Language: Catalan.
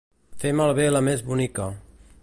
Fer malbé la més bonica.